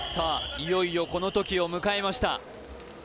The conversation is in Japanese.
いよいよこの時を迎えました